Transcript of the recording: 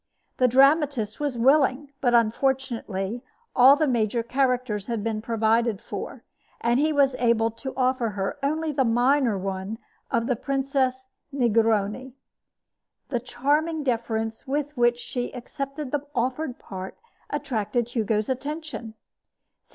The dramatist was willing, but unfortunately all the major characters had been provided for, and he was able to offer her only the minor one of the Princesse Negroni. The charming deference with which she accepted the offered part attracted Hugo's attention.